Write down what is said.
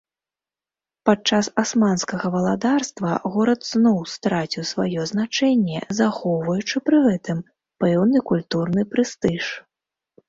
Падчас асманскага валадарства, горад зноў страціў сваё значэнне, захоўваючы пры гэтым пэўны культурны прэстыж.